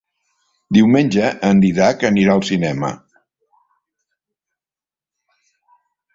Diumenge en Dídac anirà al cinema.